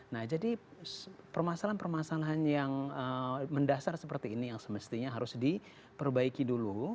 nah jadi permasalahan permasalahan yang mendasar seperti ini yang semestinya harus diperbaiki dulu